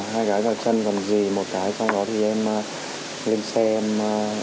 hai gái vào chân gần dì một cái sau đó thì em lên xe em